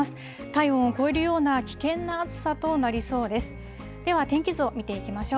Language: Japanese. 体温を超えるような危険な暑さとなりそうです。